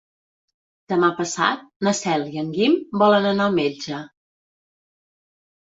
Demà passat na Cel i en Guim volen anar al metge.